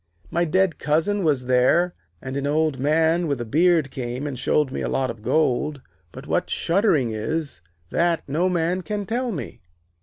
My dead cousin was there, and an Old Man with a beard came and showed me a lot of gold. But what shuddering is, that no man can tell me.'